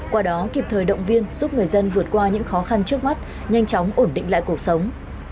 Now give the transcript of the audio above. qua đó kịp thời động viên giúp người dân vượt qua những khó khăn trước mắt nhanh chóng ổn định lại cuộc sống